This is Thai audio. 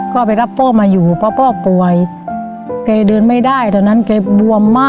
ก็ไปรับโป้มาอยู่พอภาพป่วย